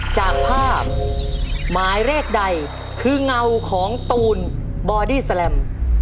จากภาพหมายเลขใดคือเงาของตูนบอดี้แลม